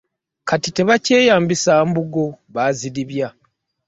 Kati tebakyeyambisa mbugo, baazidibya.